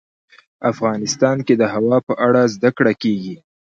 افغانستان کې د هوا په اړه زده کړه کېږي.